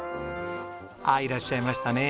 ああいらっしゃいましたね。